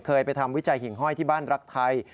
เคยไปทำวิจัยหิ่งห้อยที่บ้านรักไทย